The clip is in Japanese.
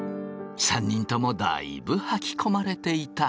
３人ともだいぶはきこまれていた。